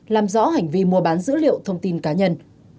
làm rõ hành vi mua bán dữ liệu thông tin cá nhân